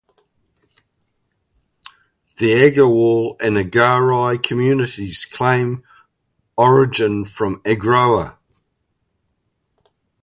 The Agarwal and Agrahari communities claim origin from Agroha.